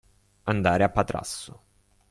Andare a Patrasso.